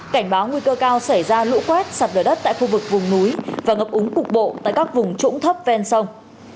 cảnh báo nguy cơ cao xảy ra lũ quét sạt lở đất tại khu vực vùng núi và ngập úng cục bộ tại các vùng trũng thấp ven sông